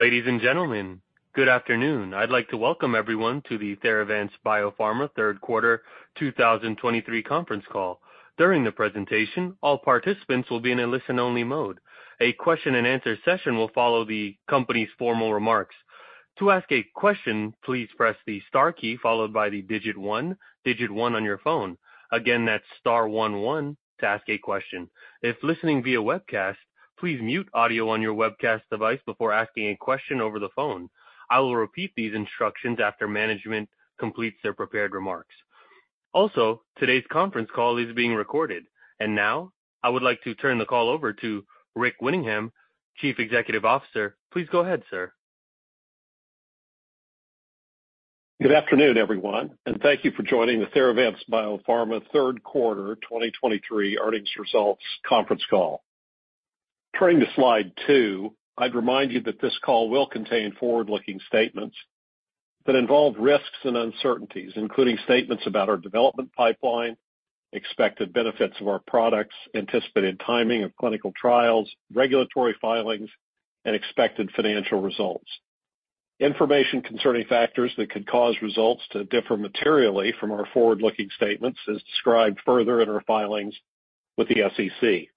Ladies and gentlemen, good afternoon. I'd like to welcome everyone to the Theravance Biopharma third quarter 2023 conference call. During the presentation, all participants will be in a listen-only mode. A question and answer session will follow the company's formal remarks. To ask a question, please press the star key, followed by the digit one, digit one on your phone. Again, that's star one one to ask a question. If listening via webcast, please mute audio on your webcast device before asking a question over the phone. I will repeat these instructions after management completes their prepared remarks. Also, today's conference call is being recorded. Now, I would like to turn the call over to Rick Winningham, Chief Executive Officer. Please go ahead, sir. Good afternoon, everyone, and thank you for joining the Theravance Biopharma Third Quarter 2023 Earnings Results Conference Call. Turning to slide 2, I'd remind you that this call will contain forward-looking statements that involve risks and uncertainties, including statements about our development pipeline, expected benefits of our products, anticipated timing of clinical trials, regulatory filings, and expected financial results. Information concerning factors that could cause results to differ materially from our forward-looking statements is described further in our filings with the SEC.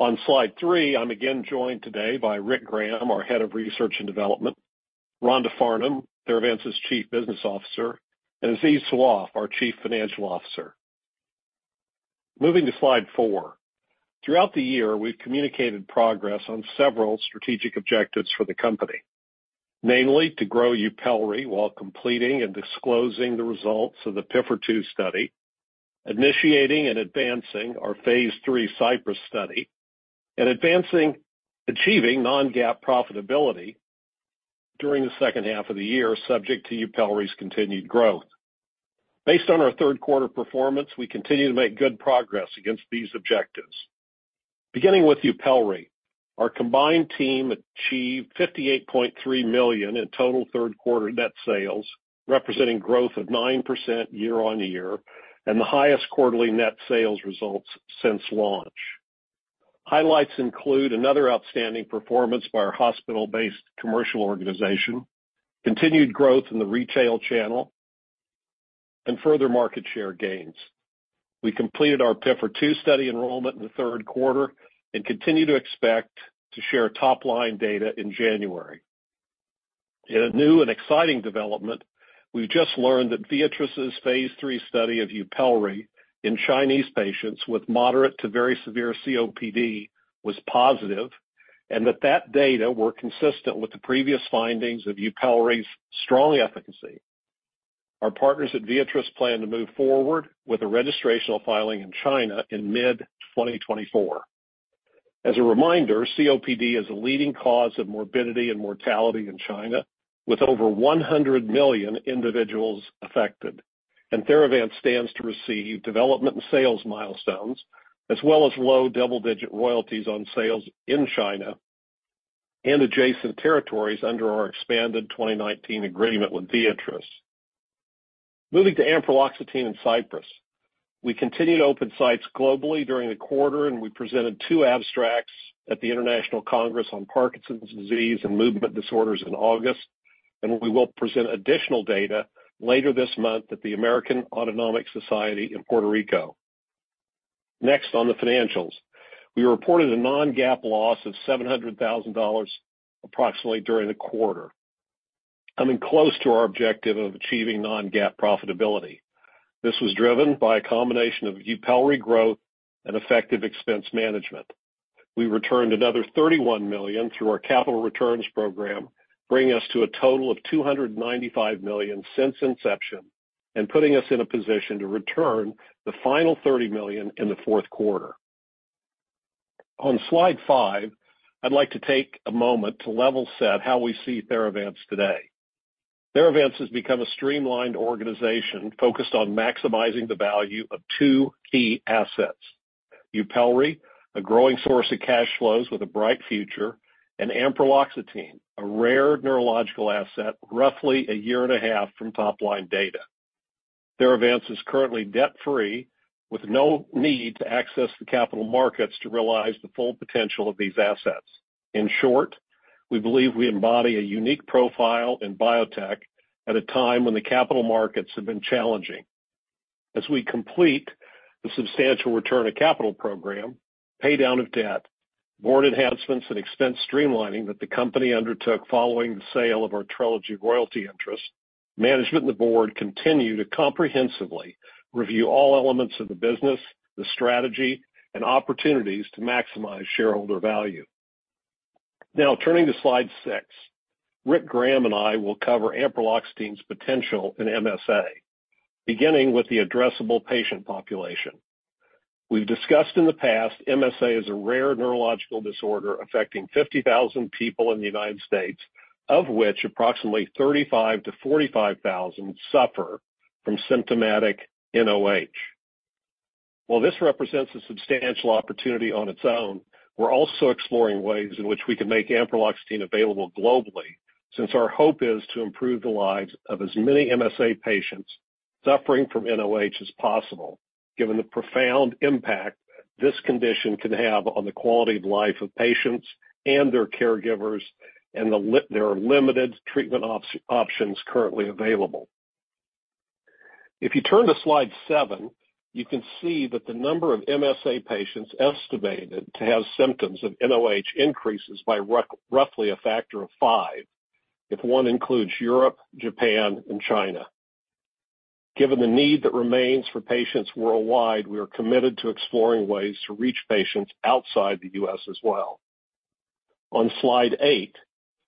On slide 3, I'm again joined today by Rick Graham, our Head of Research and Development, Rhonda Farnum, Theravance's Chief Business Officer, and Aziz Sawaf, our Chief Financial Officer. Moving to slide 4. Throughout the year, we've communicated progress on several strategic objectives for the company, namely, to grow YUPELRI while completing and disclosing the results of the PIFR-2 study, initiating and advancing our Phase 3 CYPRESS study, and advancing, achieving non-GAAP profitability during the second half of the year, subject to YUPELRI's continued growth. Based on our third quarter performance, we continue to make good progress against these objectives. Beginning with YUPELRI, our combined team achieved $58.3 million in total third quarter net sales, representing growth of 9% year-on-year, and the highest quarterly net sales results since launch. Highlights include another outstanding performance by our hospital-based commercial organization, continued growth in the retail channel, and further market share gains. We completed our PIFR-2 study enrollment in the third quarter and continue to expect to share top-line data in January. In a new and exciting development, we've just learned that Viatris' Phase 3 study of YUPELRI in Chinese patients with moderate to very severe COPD was positive, and that that data were consistent with the previous findings of YUPELRI's strong efficacy. Our partners at Viatris plan to move forward with a registrational filing in China in mid-2024. As a reminder, COPD is a leading cause of morbidity and mortality in China, with over 100 million individuals affected. Theravance stands to receive development and sales milestones, as well as low double-digit royalties on sales in China and adjacent territories under our expanded 2019 agreement with Viatris. Moving to ampreloxetine and CYPRESS. We continued to open sites globally during the quarter, and we presented two abstracts at the International Congress on Parkinson's Disease and Movement Disorders in August, and we will present additional data later this month at the American Autonomic Society in Puerto Rico. Next, on the financials. We reported a non-GAAP loss of $700,000 approximately during the quarter, coming close to our objective of achieving non-GAAP profitability. This was driven by a combination of YUPELRI growth and effective expense management. We returned another $31 million through our capital returns program, bringing us to a total of $295 million since inception and putting us in a position to return the final $30 million in the fourth quarter. On slide 5, I'd like to take a moment to level set how we see Theravance today. Theravance has become a streamlined organization focused on maximizing the value of two key assets. YUPELRI, a growing source of cash flows with a bright future, and ampreloxetine, a rare neurological asset, roughly a year and a half from top-line data. Theravance is currently debt-free, with no need to access the capital markets to realize the full potential of these assets. In short, we believe we embody a unique profile in biotech at a time when the capital markets have been challenging. As we complete the substantial return of capital program, paydown of debt, board enhancements and expense streamlining that the company undertook following the sale of our Trelegy royalty interest, management and the board continue to comprehensively review all elements of the business, the strategy, and opportunities to maximize shareholder value. Now, turning to slide 6. Rick Graham and I will cover ampreloxetine's potential in MSA, beginning with the addressable patient population. We've discussed in the past, MSA is a rare neurological disorder affecting 50,000 people in the United States, of which approximately 35,000-45,000 suffer from symptomatic nOH. While this represents a substantial opportunity on its own, we're also exploring ways in which we can make ampreloxetine available globally, since our hope is to improve the lives of as many MSA patients suffering from nOH as possible, given the profound impact this condition can have on the quality of life of patients and their caregivers, and there are limited treatment options currently available. If you turn to slide 7, you can see that the number of MSA patients estimated to have symptoms of nOH increases by roughly a factor of five, if one includes Europe, Japan, and China. Given the need that remains for patients worldwide, we are committed to exploring ways to reach patients outside the U.S. as well. On slide 8,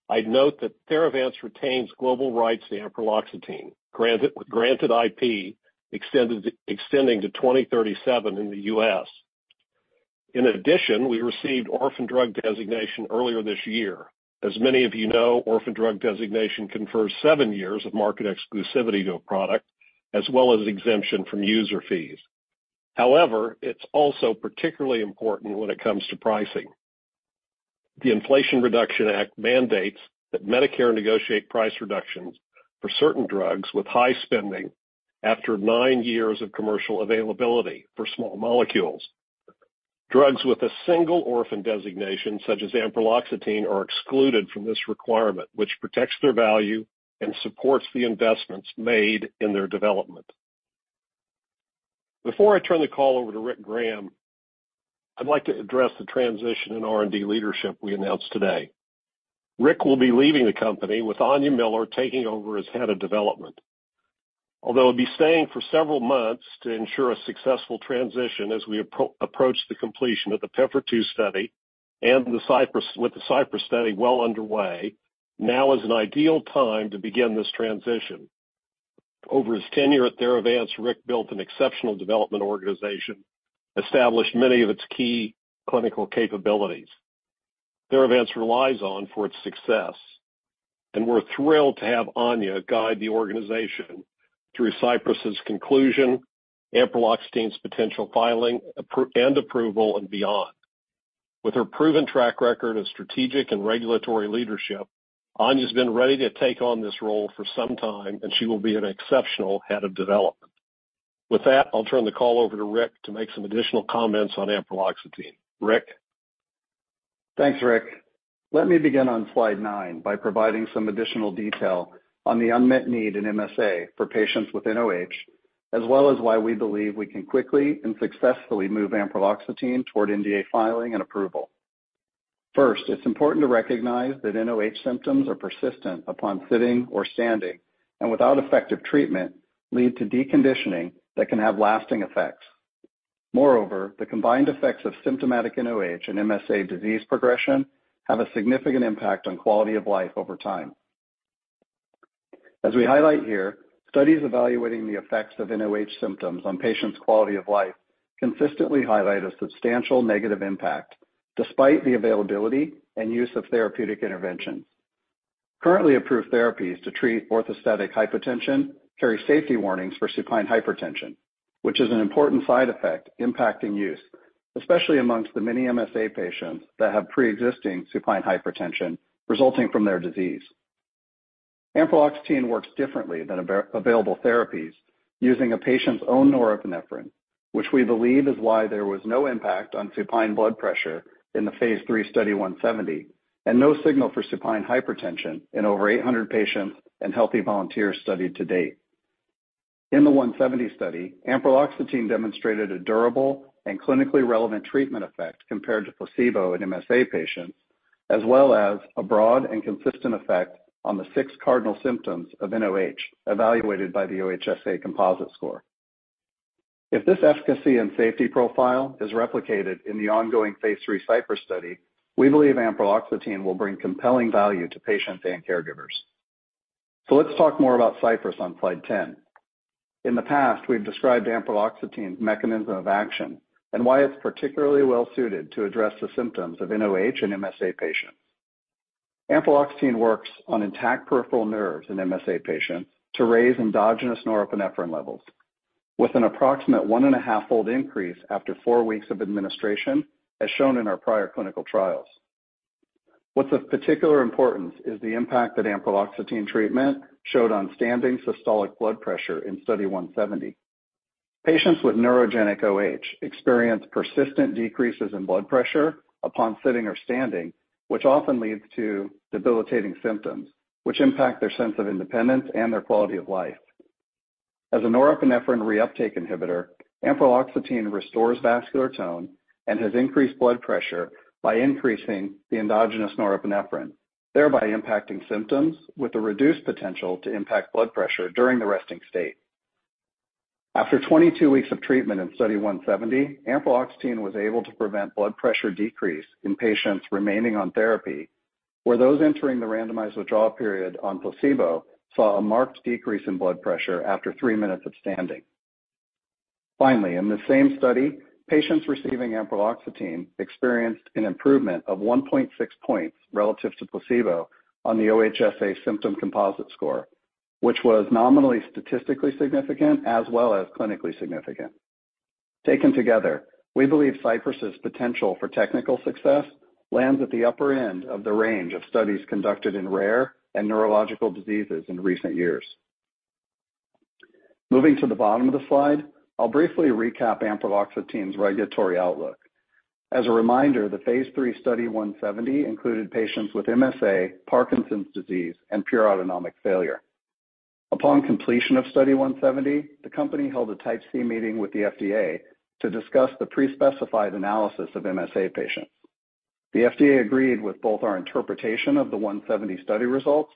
I'd note that Theravance retains global rights to ampreloxetine, granted, with granted IP, extended, extending to 2037 in the U.S. In addition, we received orphan drug designation earlier this year. As many of you know, orphan drug designation confers seven years of market exclusivity to a product, as well as exemption from user fees. However, it's also particularly important when it comes to pricing. The Inflation Reduction Act mandates that Medicare negotiate price reductions for certain drugs with high spending after nine years of commercial availability for small molecules. Drugs with a single orphan designation, such as ampreloxetine, are excluded from this requirement, which protects their value and supports the investments made in their development. Before I turn the call over to Rick Graham, I'd like to address the transition in R&D leadership we announced today. Rick will be leaving the company, with Áine Miller taking over as Head of Development. Although he'll be staying for several months to ensure a successful transition as we approach the completion of the PIFR-2 study and the CYPRESS, with the CYPRESS study well underway, now is an ideal time to begin this transition. Over his tenure at Theravance, Rick built an exceptional development organization, established many of its key clinical capabilities Theravance relies on for its success. We're thrilled to have Áine guide the organization through CYPRESS's conclusion, ampreloxetine's potential filing, approval, and beyond. With her proven track record of strategic and regulatory leadership, Áine's been ready to take on this role for some time, and she will be an exceptional Head of Development. With that, I'll turn the call over to Rick to make some additional comments on ampreloxetine. Rick? Thanks, Rick. Let me begin on slide nine by providing some additional detail on the unmet need in MSA for patients with nOH, as well as why we believe we can quickly and successfully move ampreloxetine toward NDA filing and approval. First, it's important to recognize that nOH symptoms are persistent upon sitting or standing, and without effective treatment, lead to deconditioning that can have lasting effects. Moreover, the combined effects of symptomatic nOH and MSA disease progression have a significant impact on quality of life over time. As we highlight here, studies evaluating the effects of nOH symptoms on patients' quality of life consistently highlight a substantial negative impact, despite the availability and use of therapeutic interventions. Currently approved therapies to treat orthostatic hypotension carry safety warnings for supine hypertension, which is an important side effect impacting use, especially among the many MSA patients that have pre-existing supine hypertension resulting from their disease. Ampreloxetine works differently than available therapies, using a patient's own norepinephrine, which we believe is why there was no impact on supine blood pressure in the Phase 3 Study 170, and no signal for supine hypertension in over 800 patients and healthy volunteers studied to date. In the 170 study, ampreloxetine demonstrated a durable and clinically relevant treatment effect compared to placebo in MSA patients, as well as a broad and consistent effect on the six cardinal symptoms of nOH, evaluated by the OHSA composite score. If this efficacy and safety profile is replicated in the ongoing Phase 3 CYPRESS study, we believe ampreloxetine will bring compelling value to patients and caregivers. So let's talk more about CYPRESS on slide 10. In the past, we've described ampreloxetine's mechanism of action and why it's particularly well suited to address the symptoms of nOH in MSA patients. Ampreloxetine works on intact peripheral nerves in MSA patients to raise endogenous norepinephrine levels with an approximate 1.5-fold increase after four weeks of administration, as shown in our prior clinical trials. What's of particular importance is the impact that ampreloxetine treatment showed on standing systolic blood pressure in Study 170. Patients with neurogenic OH experience persistent decreases in blood pressure upon sitting or standing, which often leads to debilitating symptoms, which impact their sense of independence and their quality of life. As a norepinephrine reuptake inhibitor, ampreloxetine restores vascular tone and has increased blood pressure by increasing the endogenous norepinephrine, thereby impacting symptoms with a reduced potential to impact blood pressure during the resting state. After 22 weeks of treatment in Study 0170, ampreloxetine was able to prevent blood pressure decrease in patients remaining on therapy, where those entering the randomized withdrawal period on placebo saw a marked decrease in blood pressure after 3 minutes of standing. Finally, in the same study, patients receiving ampreloxetine experienced an improvement of 1.6 points relative to placebo on the OHSA symptom composite score, which was nominally statistically significant as well as clinically significant. Taken together, we believe CYPRESS's potential for technical success lands at the upper end of the range of studies conducted in rare and neurological diseases in recent years. Moving to the bottom of the slide, I'll briefly recap ampreloxetine's regulatory outlook. As a reminder, the phase 3 Study 0170 included patients with MSA, Parkinson's disease and pure autonomic failure. Upon completion of Study 0170, the company held a Type C meeting with the FDA to discuss the pre-specified analysis of MSA patients. The FDA agreed with both our interpretation of the 0170 study results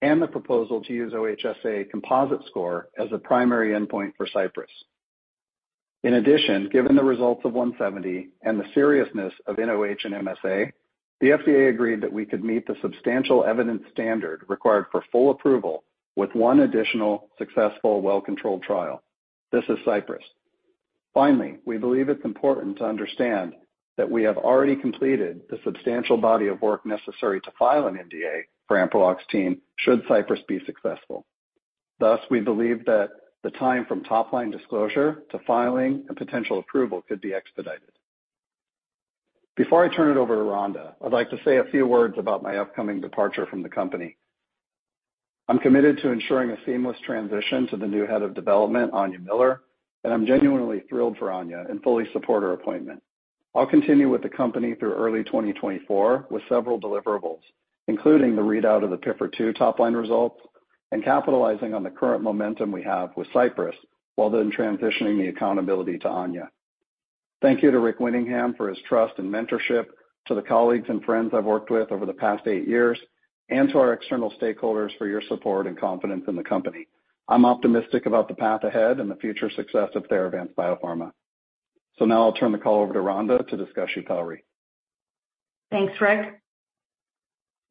and the proposal to use OHSA composite score as a primary endpoint for CYPRESS. In addition, given the results of 0170 and the seriousness of nOH and MSA, the FDA agreed that we could meet the substantial evidence standard required for full approval with one additional successful, well-controlled trial. This is CYPRESS. Finally, we believe it's important to understand that we have already completed the substantial body of work necessary to file an NDA for ampreloxetine, should CYPRESS be successful. Thus, we believe that the time from top line disclosure to filing and potential approval could be expedited. Before I turn it over to Rhonda, I'd like to say a few words about my upcoming departure from the company. I'm committed to ensuring a seamless transition to the new head of development, Áine Miller, and I'm genuinely thrilled for Áine and fully support her appointment. I'll continue with the company through early 2024, with several deliverables, including the readout of the PIFR-2 top line results and capitalizing on the current momentum we have with CYPRESS, while then transitioning the accountability to Áine. Thank you to Rick Winningham for his trust and mentorship, to the colleagues and friends I've worked with over the past eight years, and to our external stakeholders for your support and confidence in the company. I'm optimistic about the path ahead and the future success of Theravance Biopharma. So now I'll turn the call over to Rhonda to discuss YUPELRI. Thanks, Rick.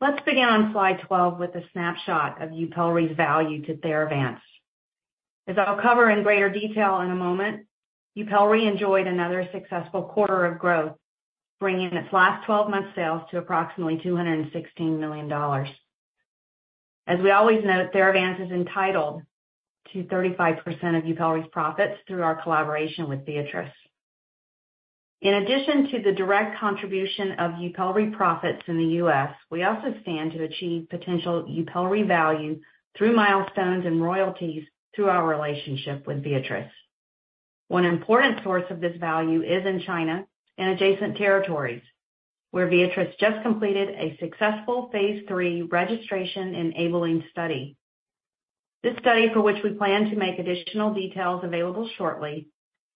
Let's begin on slide 12 with a snapshot of YUPELRI's value to Theravance. As I'll cover in greater detail in a moment, YUPELRI enjoyed another successful quarter of growth, bringing its last 12 months sales to approximately $216 million. As we always note, Theravance is entitled to 35% of YUPELRI's profits through our collaboration with Viatris. In addition to the direct contribution of YUPELRI profits in the U.S., we also stand to achieve potential YUPELRI value through milestones and royalties through our relationship with Viatris. One important source of this value is in China and adjacent territories, where Viatris just completed a successful phase 3 registration-enabling study. This study, for which we plan to make additional details available shortly,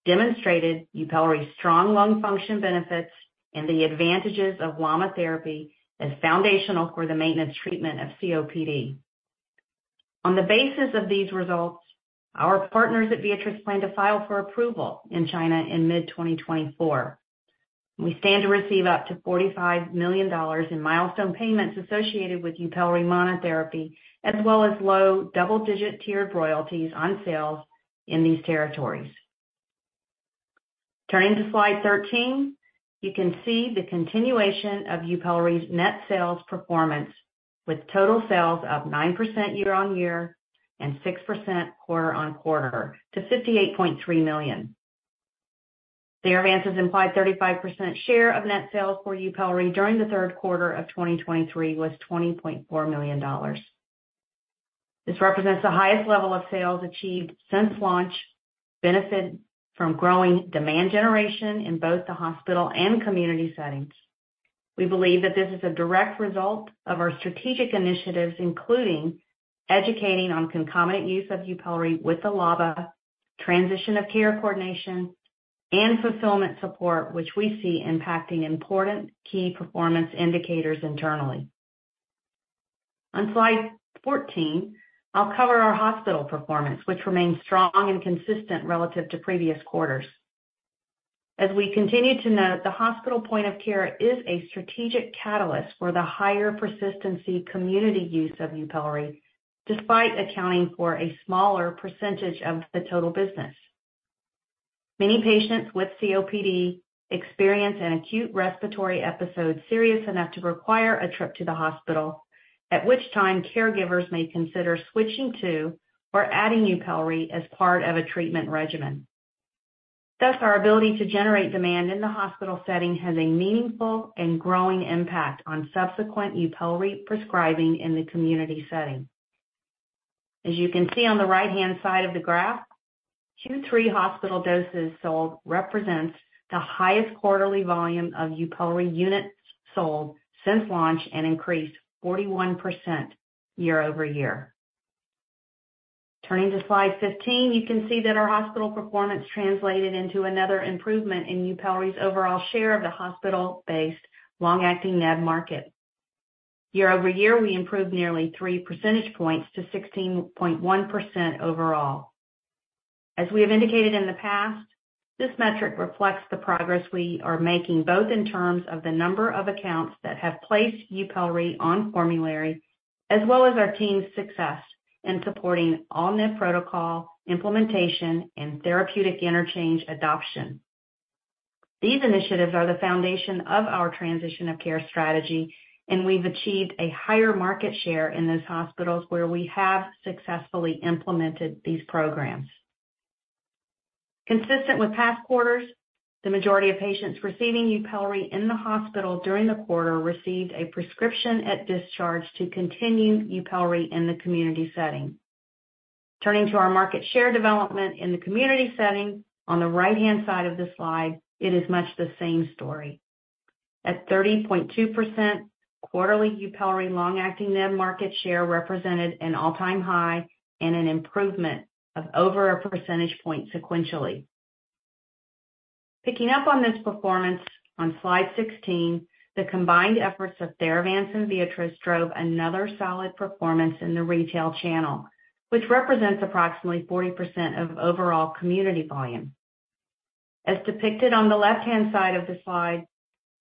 demonstrated YUPELRI's strong lung function benefits and the advantages of LAMA therapy as foundational for the maintenance treatment of COPD. On the basis of these results, our partners at Viatris plan to file for approval in China in mid-2024. We stand to receive up to $45 million in milestone payments associated with YUPELRI monotherapy, as well as low double-digit tiered royalties on sales in these territories. Turning to slide 13, you can see the continuation of YUPELRI's net sales performance, with total sales up 9% year-on-year and 6% quarter-on-quarter to $58.3 million. Theravance's implied 35% share of net sales for YUPELRI during the third quarter of 2023 was $20 million. This represents the highest level of sales achieved since launch, benefiting from growing demand generation in both the hospital and community settings. We believe that this is a direct result of our strategic initiatives, including educating on concomitant use of YUPELRI with the LABA, transition of care coordination and fulfillment support, which we see impacting important key performance indicators internally. On slide 14, I'll cover our hospital performance, which remains strong and consistent relative to previous quarters. As we continue to note, the hospital point of care is a strategic catalyst for the higher persistency community use of YUPELRI, despite accounting for a smaller percentage of the total business. Many patients with COPD experience an acute respiratory episode serious enough to require a trip to the hospital, at which time caregivers may consider switching to or adding YUPELRI as part of a treatment regimen. Thus, our ability to generate demand in the hospital setting has a meaningful and growing impact on subsequent YUPELRI prescribing in the community setting. As you can see on the right-hand side of the graph, Q3 hospital doses sold represents the highest quarterly volume of YUPELRI units sold since launch and increased 41% year-over-year. Turning to slide 15, you can see that our hospital performance translated into another improvement in YUPELRI's overall share of the hospital-based long-acting neb market. Year-over-year, we improved nearly 3 percentage points to 16.1% overall. As we have indicated in the past, this metric reflects the progress we are making, both in terms of the number of accounts that have placed YUPELRI on formulary, as well as our team's success in supporting all-new protocol, implementation and therapeutic interchange adoption. These initiatives are the foundation of our transition of care strategy, and we've achieved a higher market share in those hospitals where we have successfully implemented these programs. Consistent with past quarters, the majority of patients receiving YUPELRI in the hospital during the quarter received a prescription at discharge to continue YUPELRI in the community setting. Turning to our market share development in the community setting, on the right-hand side of the slide, it is much the same story. At 30.2%, quarterly YUPELRI long-acting neb market share represented an all-time high and an improvement of over a percentage point sequentially. Picking up on this performance, on Slide 16, the combined efforts of Theravance and Viatris drove another solid performance in the retail channel, which represents approximately 40% of overall community volume. As depicted on the left-hand side of the slide,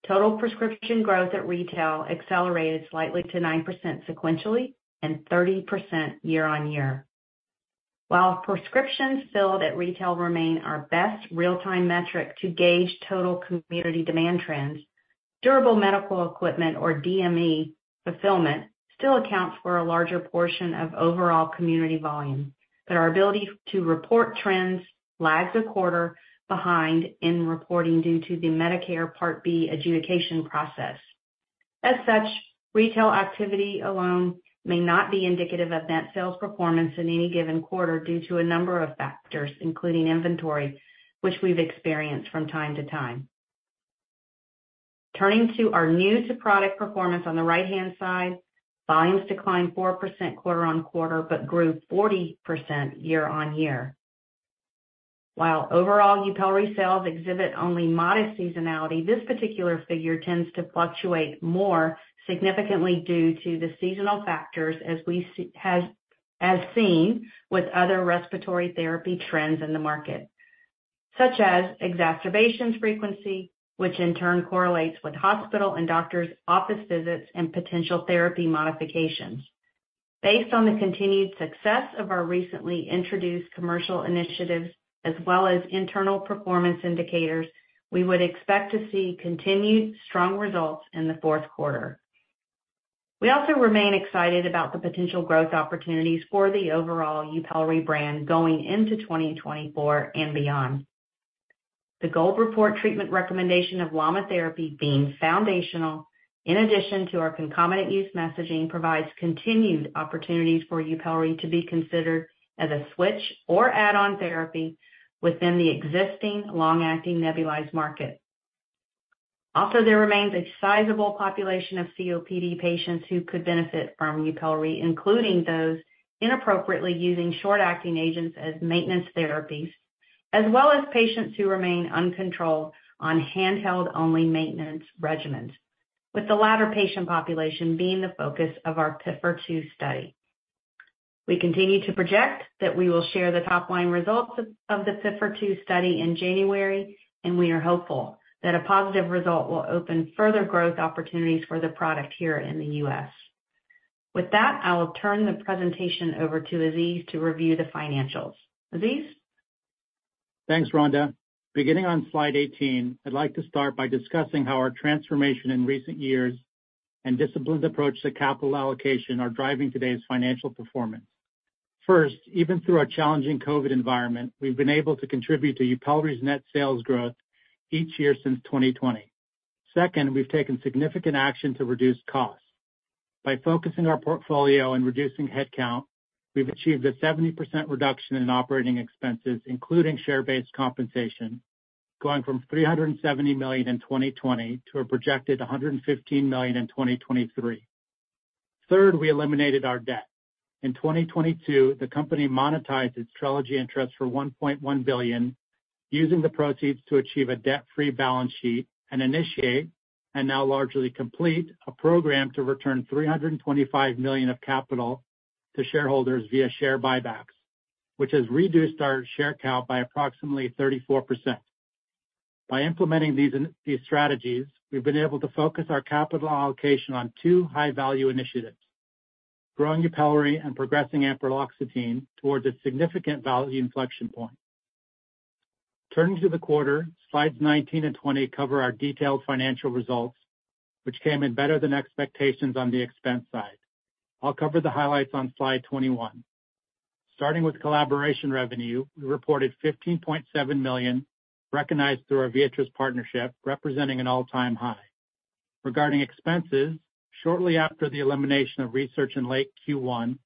total prescription growth at retail accelerated slightly to 9% sequentially and 30% year-on-year. While prescriptions filled at retail remain our best real-time metric to gauge total community demand trends, durable medical equipment, or DME, fulfillment still accounts for a larger portion of overall community volume, but our ability to report trends lags a quarter behind in reporting due to the Medicare Part B adjudication process. As such, retail activity alone may not be indicative of net sales performance in any given quarter due to a number of factors, including inventory, which we've experienced from time to time. Turning to our new-to-product performance on the right-hand side, volumes declined 4% quarter-over-quarter, but grew 40% year-over-year. While overall YUPELRI sales exhibit only modest seasonality, this particular figure tends to fluctuate more significantly due to the seasonal factors, as seen with other respiratory therapy trends in the market, such as exacerbations frequency, which in turn correlates with hospital and doctors' office visits and potential therapy modifications. Based on the continued success of our recently introduced commercial initiatives, as well as internal performance indicators, we would expect to see continued strong results in the fourth quarter. We also remain excited about the potential growth opportunities for the overall YUPELRI brand going into 2024 and beyond. The GOLD report treatment recommendation of LAMA therapy being foundational, in addition to our concomitant use messaging, provides continued opportunities for YUPELRI to be considered as a switch or add-on therapy within the existing long-acting nebulized market. Also, there remains a sizable population of COPD patients who could benefit from YUPELRI, including those inappropriately using short-acting agents as maintenance therapies, as well as patients who remain uncontrolled on handheld-only maintenance regimens, with the latter patient population being the focus of our PIFR-2 study. We continue to project that we will share the top-line results of the PIFR-2 study in January, and we are hopeful that a positive result will open further growth opportunities for the product here in the U.S. With that, I will turn the presentation over to Aziz to review the financials. Aziz? Thanks, Rhonda. Beginning on slide 18, I'd like to start by discussing how our transformation in recent years and disciplined approach to capital allocation are driving today's financial performance. First, even through our challenging COVID environment, we've been able to contribute to YUPELRI's net sales growth each year since 2020. Second, we've taken significant action to reduce costs. By focusing our portfolio and reducing headcount, we've achieved a 70% reduction in operating expenses, including share-based compensation, going from $370 million in 2020 to a projected $115 million in 2023. Third, we eliminated our debt. In 2022, the company monetized its Trelegy interest for $1.1 billion, using the proceeds to achieve a debt-free balance sheet and initiate, and now largely complete, a program to return $325 million of capital to shareholders via share buybacks, which has reduced our share count by approximately 34%. By implementing these strategies, we've been able to focus our capital allocation on two high-value initiatives, growing YUPELRI and progressing ampreloxetine towards a significant value inflection point. Turning to the quarter, Slides 19 and 20 cover our detailed financial results, which came in better than expectations on the expense side. I'll cover the highlights on Slide 21. Starting with collaboration revenue, we reported $15.7 million, recognized through our Viatris partnership, representing an all-time high. Regarding expenses, shortly after the elimination of research in late Q1,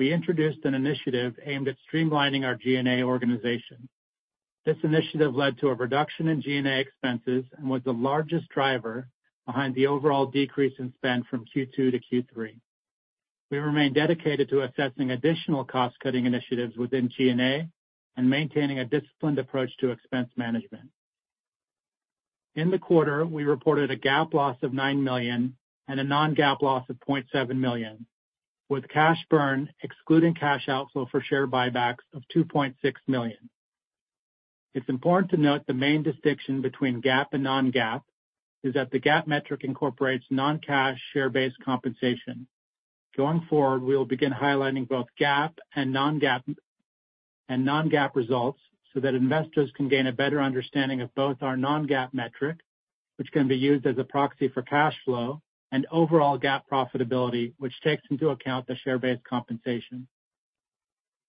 we introduced an initiative aimed at streamlining our G&A organization. This initiative led to a reduction in G&A expenses and was the largest driver behind the overall decrease in spend from Q2 to Q3. We remain dedicated to assessing additional cost-cutting initiatives within G&A and maintaining a disciplined approach to expense management. In the quarter, we reported a GAAP loss of $9 million and a non-GAAP loss of $0.7 million, with cash burn, excluding cash outflow for share buybacks, of $2.6 million. It's important to note the main distinction between GAAP and non-GAAP is that the GAAP metric incorporates non-cash share-based compensation. Going forward, we will begin highlighting both GAAP and non-GAAP-... non-GAAP results so that investors can gain a better understanding of both our non-GAAP metric, which can be used as a proxy for cash flow, and overall GAAP profitability, which takes into account the share-based compensation.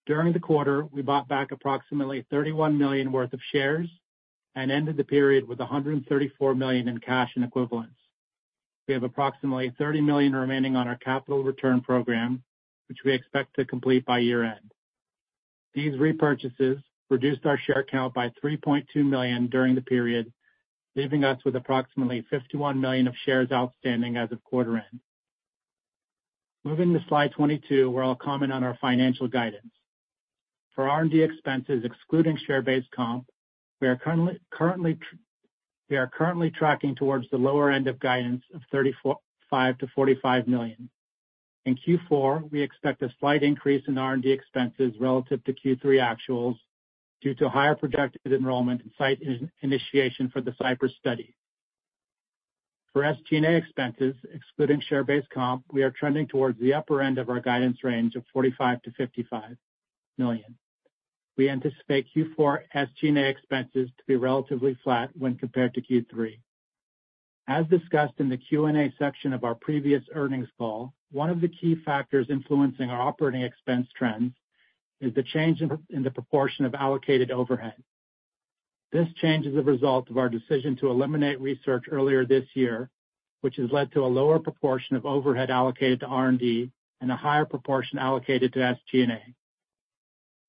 During the quarter, we bought back approximately $31 million worth of shares and ended the period with $134 million in cash and equivalents. We have approximately $30 million remaining on our capital return program, which we expect to complete by year-end. These repurchases reduced our share count by 3.2 million during the period, leaving us with approximately 51 million shares outstanding as of quarter end. Moving to slide 22, where I'll comment on our financial guidance. For R&D expenses, excluding share-based comp, we are currently tracking towards the lower end of guidance of $34.5-$45 million. In Q4, we expect a slight increase in R&D expenses relative to Q3 actuals due to higher projected enrollment and site initiation for the CYPRESS study. For SG&A expenses, excluding share-based comp, we are trending towards the upper end of our guidance range of $45-$55 million. We anticipate Q4 SG&A expenses to be relatively flat when compared to Q3. As discussed in the Q&A section of our previous earnings call, one of the key factors influencing our operating expense trends is the change in the proportion of allocated overhead. This change is a result of our decision to eliminate research earlier this year, which has led to a lower proportion of overhead allocated to R&D and a higher proportion allocated to SG&A.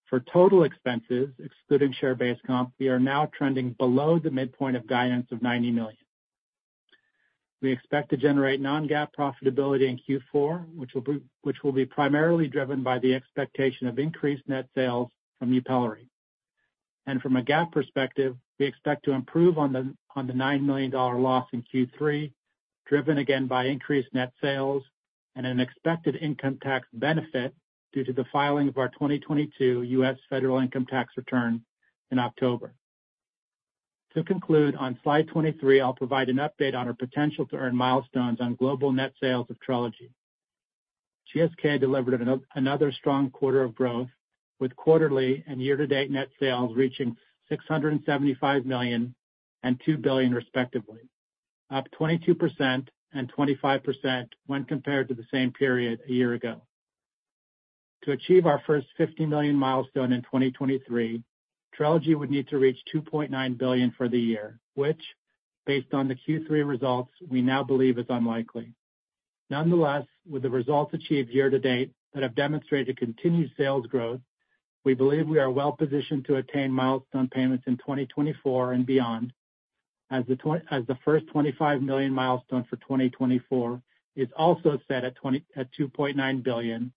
For total expenses, excluding share-based comp, we are now trending below the midpoint of guidance of $90 million. We expect to generate non-GAAP profitability in Q4, which will be primarily driven by the expectation of increased net sales from YUPELRI. And from a GAAP perspective, we expect to improve on the nine million dollar loss in Q3, driven again by increased net sales and an expected income tax benefit due to the filing of our 2022 U.S. federal income tax return in October. To conclude, on slide 23, I'll provide an update on our potential to earn milestones on global net sales of Trelegy. GSK delivered another strong quarter of growth, with quarterly and year-to-date net sales reaching $675 million and $2 billion, respectively, up 22% and 25% when compared to the same period a year ago. To achieve our first $50 million milestone in 2023, Trelegy would need to reach $2.9 billion for the year, which, based on the Q3 results, we now believe is unlikely. Nonetheless, with the results achieved year to date that have demonstrated continued sales growth, we believe we are well positioned to attain milestone payments in 2024 and beyond, as the first $25 million milestone for 2024 is also set at $2.9 billion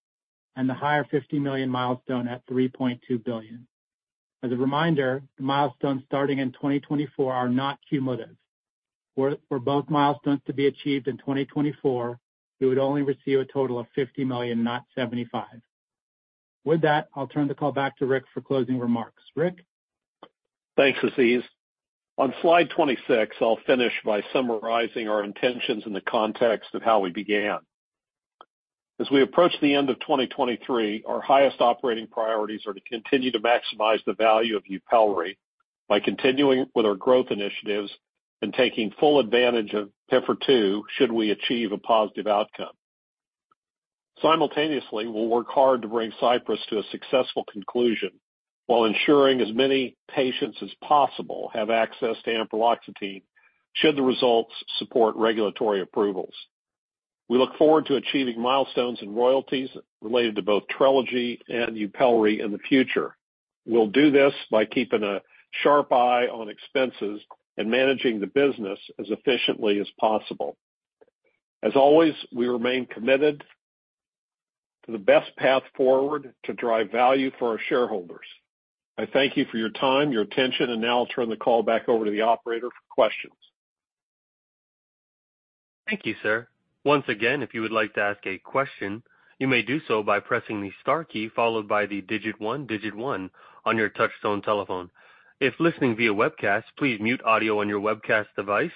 and the higher $50 million milestone at $3.2 billion. As a reminder, the milestones starting in 2024 are not cumulative. For both milestones to be achieved in 2024, we would only receive a total of $50 million, not $75 million. With that, I'll turn the call back to Rick for closing remarks. Rick? Thanks, Aziz. On slide 26, I'll finish by summarizing our intentions in the context of how we began. As we approach the end of 2023, our highest operating priorities are to continue to maximize the value of YUPELRI by continuing with our growth initiatives and taking full advantage of PIFR-2, should we achieve a positive outcome. Simultaneously, we'll work hard to bring CYPRESS to a successful conclusion while ensuring as many patients as possible have access to ampreloxetine, should the results support regulatory approvals. We look forward to achieving milestones and royalties related to both Trelegy and YUPELRI in the future. We'll do this by keeping a sharp eye on expenses and managing the business as efficiently as possible. As always, we remain committed to the best path forward to drive value for our shareholders. I thank you for your time, your attention, and now I'll turn the call back over to the operator for questions. Thank you, sir. Once again, if you would like to ask a question, you may do so by pressing the star key followed by the digit one, digit one on your touch-tone telephone. If listening via webcast, please mute audio on your webcast device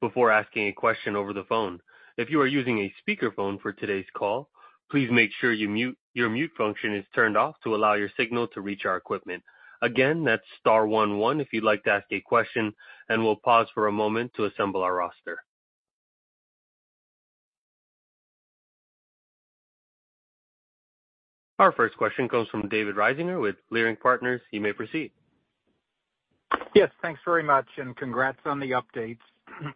before asking a question over the phone. If you are using a speakerphone for today's call, please make sure your mute function is turned off to allow your signal to reach our equipment. Again, that's star one one if you'd like to ask a question, and we'll pause for a moment to assemble our roster. Our first question comes from David Risinger with Leerink Partners. You may proceed. Yes, thanks very much, and congrats on the updates.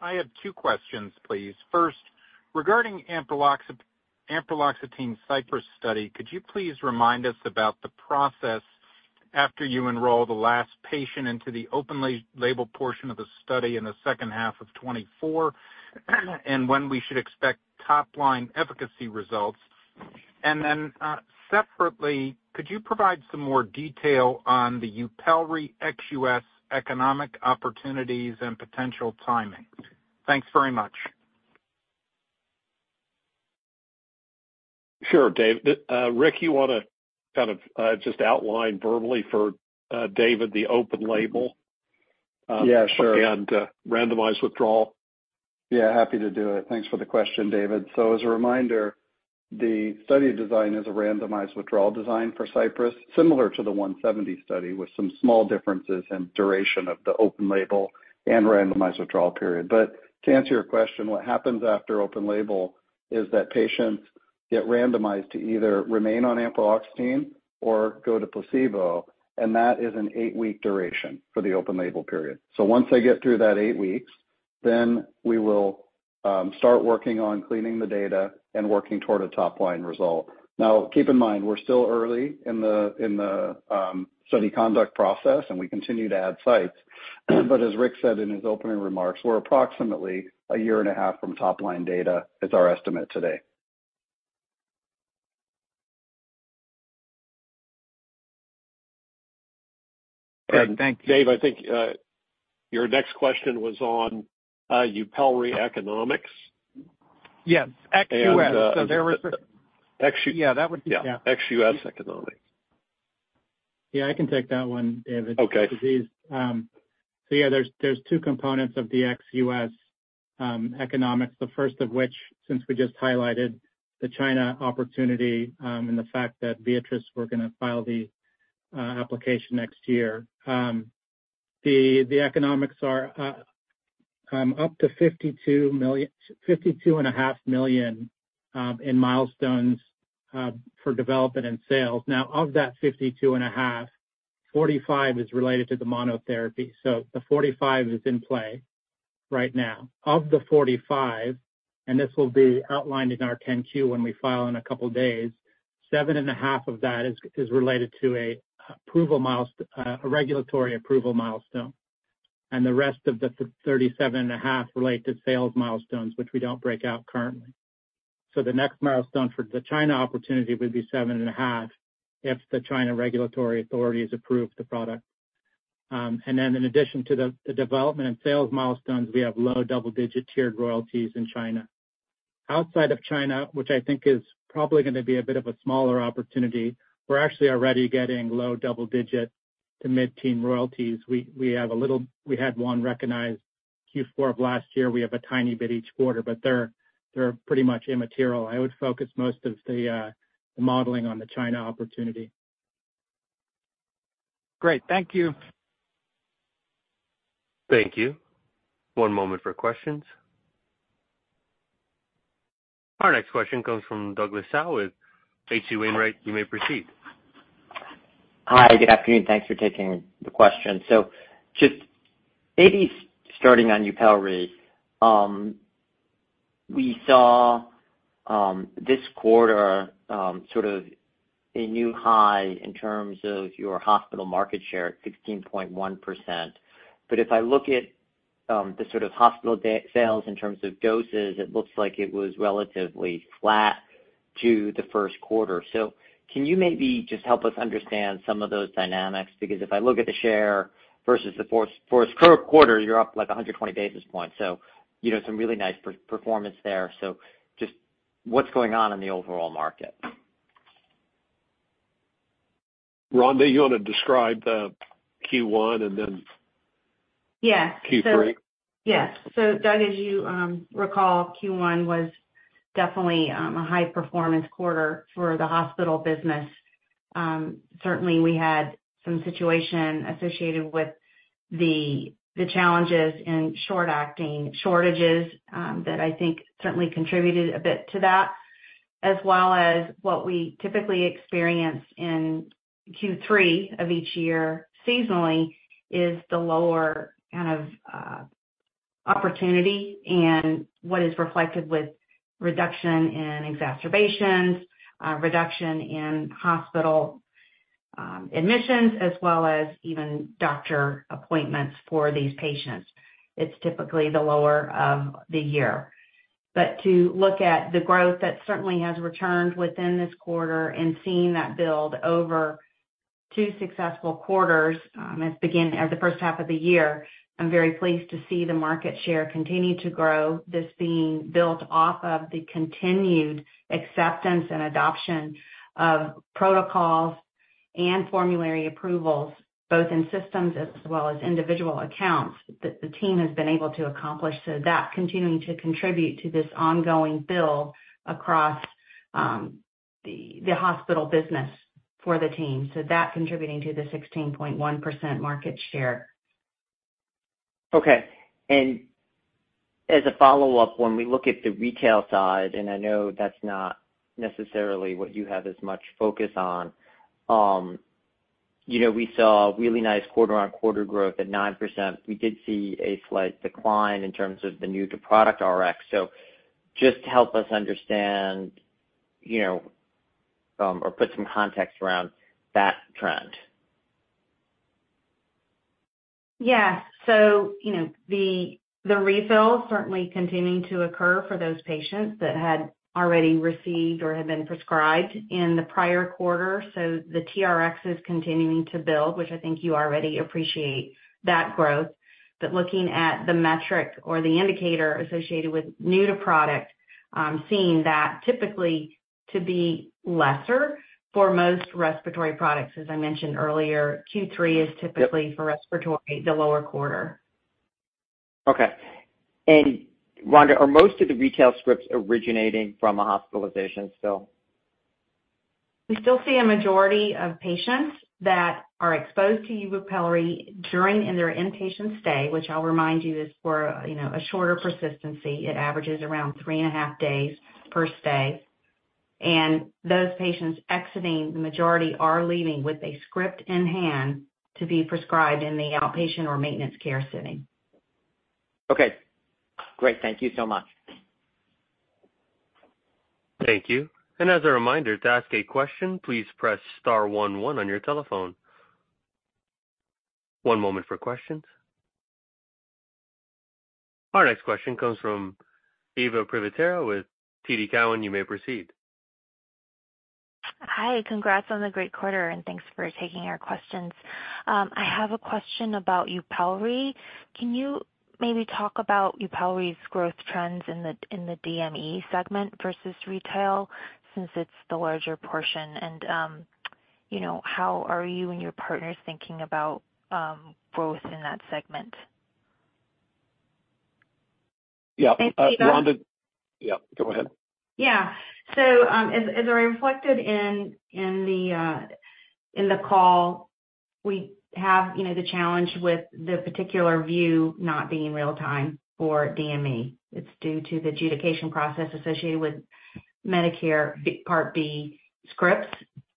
I have two questions, please. First, regarding ampreloxetine CYPRESS study, could you please remind us about the process after you enroll the last patient into the open-label portion of the study in the second half of 2024, and when we should expect top-line efficacy results? And then, separately, could you provide some more detail on the YUPELRI ex-US economic opportunities and potential timing? Thanks very much. Sure, David. Rick, you want to kind of just outline verbally for David, the open label?... Yeah, sure. Randomized withdrawal? Yeah, happy to do it. Thanks for the question, David. So as a reminder, the study design is a randomized withdrawal design for CYPRESS, similar to the 170 Study, with some small differences in duration of the open label and randomized withdrawal period. But to answer your question, what happens after open label is that patients get randomized to either remain on ampreloxetine or go to placebo, and that is an 8-week duration for the open label period. So once they get through that eight weeks, then we will start working on cleaning the data and working toward a top-line result. Now, keep in mind, we're still early in the study conduct process, and we continue to add sites. But as Rick said in his opening remarks, we're approximately a year and a half from top-line data, is our estimate today. Great, thank you. David, I think, your next question was on, YUPELRI economics. Yes, ex-U.S. And, uh- So there was- Ex- Yeah, that would- Yeah, ex-U.S. economics. Yeah, I can take that one, David. Okay. So yeah, there's two components of the ex-US economics. The first of which, since we just highlighted the China opportunity, and the fact that Viatris, we're gonna file the application next year. The economics are up to $52.5 million in milestones for development and sales. Now, of that $52.5 million, $45 million is related to the monotherapy. So the $45 million is in play right now. Of the $45 million, and this will be outlined in our 10-Q when we file in a couple of days, $7.5 million of that is related to an approval milestone— a regulatory approval milestone. And the rest of the $37.5 million relate to sales milestones, which we don't break out currently. So the next milestone for the China opportunity would be $7.5 million, if the China regulatory authorities approve the product. And then in addition to the development and sales milestones, we have low double-digit tiered royalties in China. Outside of China, which I think is probably gonna be a bit of a smaller opportunity, we're actually already getting low double-digit to mid-teen royalties. We have a little, we had one recognized Q4 of last year. We have a tiny bit each quarter, but they're pretty much immaterial. I would focus most of the modeling on the China opportunity. Great, thank you. Thank you. One moment for questions. Our next question comes from Douglas Tsao with H.C. Wainwright. You may proceed. Hi, good afternoon. Thanks for taking the question. So just maybe starting on YUPELRI. We saw this quarter sort of a new high in terms of your hospital market share at 16.1%. But if I look at the sort of hospital sales in terms of doses, it looks like it was relatively flat to the first quarter. So can you maybe just help us understand some of those dynamics? Because if I look at the share versus the fourth quarter, you're up like 120 basis points, so you know, some really nice performance there. So just what's going on in the overall market? Rhonda, you wanna describe the Q1 and then- Yeah. Q3? Yes. So Doug, as you recall, Q1 was definitely a high performance quarter for the hospital business. Certainly we had some situation associated with the challenges in short acting shortages, that I think certainly contributed a bit to that, as well as what we typically experience in Q3 of each year, seasonally, is the lower kind of opportunity and what is reflected with reduction in exacerbations, reduction in hospital admissions, as well as even doctor appointments for these patients. It's typically the lower of the year. But to look at the growth that certainly has returned within this quarter and seeing that build over two successful quarters, as again, at the first half of the year, I'm very pleased to see the market share continue to grow. This being built off of the continued acceptance and adoption of protocols and formulary approvals, both in systems as well as individual accounts, that the team has been able to accomplish. So that continuing to contribute to this ongoing build across, the hospital business for the team. So that's contributing to the 16.1% market share. Okay. And as a follow-up, when we look at the retail side, and I know that's not necessarily what you have as much focus on, you know, we saw really nice quarter-on-quarter growth at 9%. We did see a slight decline in terms of the new-to-product RX. So just help us understand, you know, or put some context around that trend? Yeah. So, you know, the refills certainly continuing to occur for those patients that had already received or had been prescribed in the prior quarter. So the TRXs continuing to build, which I think you already appreciate that growth. But looking at the metric or the indicator associated with new to product..., seeing that typically to be lesser for most respiratory products. As I mentioned earlier, Q3 is typically for respiratory, the lower quarter. Okay. Rhonda, are most of the retail scripts originating from a hospitalization still? We still see a majority of patients that are exposed to YUPELRI during their inpatient stay, which I'll remind you is for, you know, a shorter persistency. It averages around 3.5 days per stay. Those patients exiting, the majority are leaving with a script in hand to be prescribed in the outpatient or maintenance care setting. Okay, great. Thank you so much. Thank you. And as a reminder, to ask a question, please press star one one on your telephone. One moment for questions. Our next question comes from Eva Privitera with TD Cowen. You may proceed. Hi, congrats on the great quarter, and thanks for taking our questions. I have a question about YUPELRI. Can you maybe talk about YUPELRI's growth trends in the DME segment versus retail, since it's the larger portion? And, you know, how are you and your partners thinking about growth in that segment? Yeah, Eva- Yeah, Rhonda? Yeah, go ahead. Yeah. So, as I reflected in the call, we have, you know, the challenge with the particular view not being real time for DME. It's due to the adjudication process associated with Medicare Part B scripts,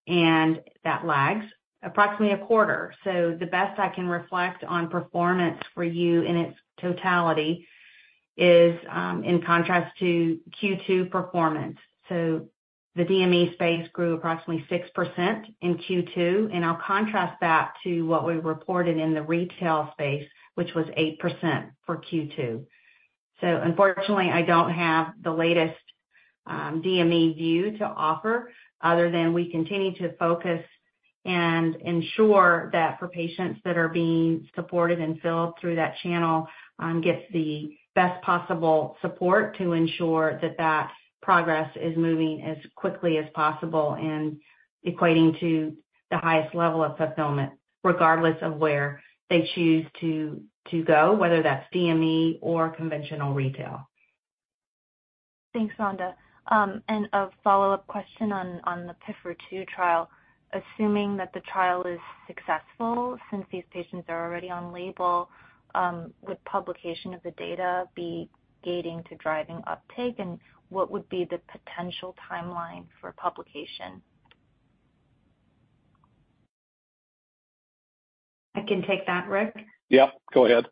and that lags approximately a quarter. So the best I can reflect on performance for you in its totality is in contrast to Q2 performance. So the DME space grew approximately 6% in Q2, and I'll contrast that to what we reported in the retail space, which was 8% for Q2. So unfortunately, I don't have the latest DME view to offer other than we continue to focus and ensure that for patients that are being supported and filled through that channel, gets the best possible support to ensure that that progress is moving as quickly as possible and equating to the highest level of fulfillment, regardless of where they choose to go, whether that's DME or conventional retail. Thanks, Rhonda. And a follow-up question on the PIFR-2 trial. Assuming that the trial is successful, since these patients are already on label, would publication of the data be gating to driving uptake, and what would be the potential timeline for publication? I can take that, Rick. Yeah, go ahead.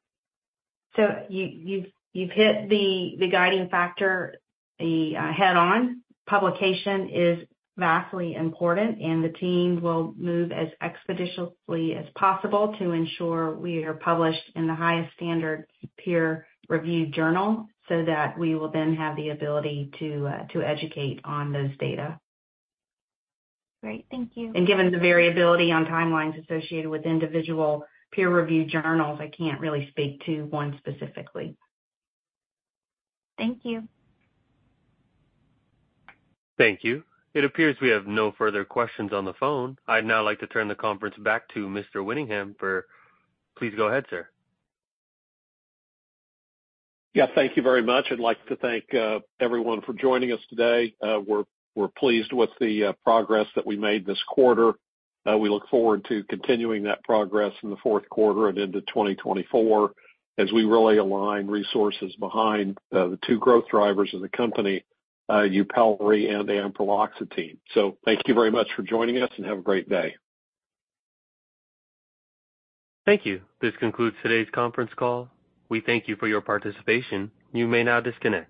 So you've hit the guiding factor head on. Publication is vastly important, and the team will move as expeditiously as possible to ensure we are published in the highest standard peer-reviewed journal, so that we will then have the ability to educate on those data. Great. Thank you. Given the variability on timelines associated with individual peer-review journals, I can't really speak to one specifically. Thank you. Thank you. It appears we have no further questions on the phone. I'd now like to turn the conference back to Mr. Winningham for... Please go ahead, sir. Yeah, thank you very much. I'd like to thank everyone for joining us today. We're pleased with the progress that we made this quarter. We look forward to continuing that progress in the fourth quarter and into 2024, as we really align resources behind the two growth drivers of the company, YUPELRI and ampreloxetine. So thank you very much for joining us, and have a great day. Thank you. This concludes today's conference call. We thank you for your participation. You may now disconnect.